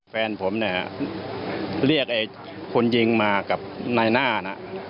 แฟนผมเนี่ยเรียกไอ้คนยิงมากับนายหน้านะ